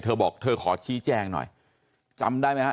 เธอบอกเธอขอชี้แจงหน่อยจำได้ไหมฮะ